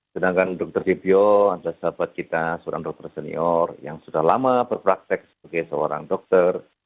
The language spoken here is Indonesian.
sedangkan dr debbio adalah sahabat kita seorang dokter senior yang sudah lama berpraktek sebagai seorang dokter